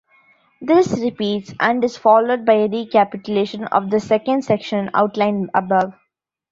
This repeats, and is followed by a recapitulation of the second section outlined above.